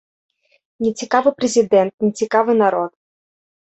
Нецікавы прэзідэнт, нецікавы народ.